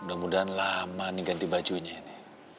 mudah mudahan lama nih ganti bajunya ini